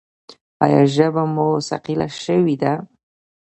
ایا ژبه مو ثقیله شوې ده؟